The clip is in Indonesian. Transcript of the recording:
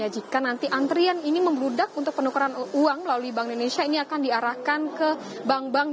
jika nanti antrian ini membludak untuk penukaran uang melalui bank indonesia ini akan diarahkan ke bank bank